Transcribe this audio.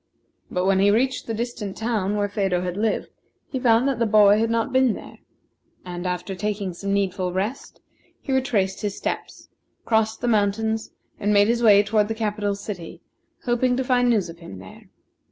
But when he reached the distant town where Phedo had lived, he found that the boy had not been there; and after taking some needful rest, he retraced his steps, crossed the mountains, and made his way toward the capital city, hoping to find news of him there.